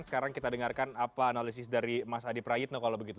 sekarang kita dengarkan apa analisis dari mas adi prayitno kalau begitu